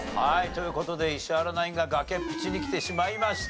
という事で石原ナインが崖っぷちにきてしまいました。